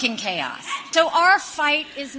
jadi perjuangan kita tidak bisa dihapus